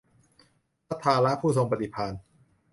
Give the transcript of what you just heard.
พระราธะ ผู้ทรงปฎิภาณ